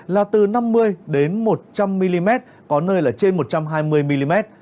là từ năm mươi đến một trăm linh mm có nơi là trên một trăm hai mươi mm